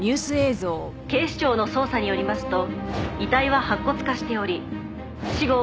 「警視庁の捜査によりますと遺体は白骨化しており死後